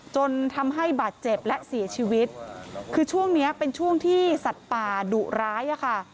จนทำให้บาดเจ็บและเสียชีวิตคือช่วงเนี้ยเป็นช่วงที่สัตว์ป่าดุร้ายอะค่ะ